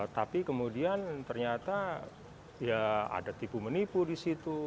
tapi kemudian ternyata ya ada tipu menipu disitu